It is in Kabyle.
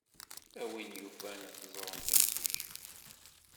A win yufan ad teẓremt imsujji.